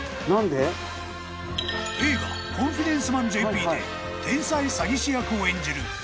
［映画『コンフィデンスマンＪＰ』で天才詐欺師役を演じる］